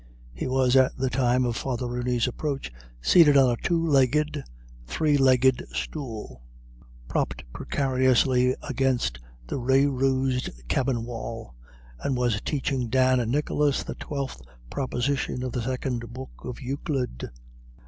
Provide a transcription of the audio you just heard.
He was at the time of Father Rooney's approach seated on a two legged, three legged stool, propped precariously against the ray rosed cabin wall, and was teaching Dan and Nicholas the twelfth proposition of the second book of Euclid.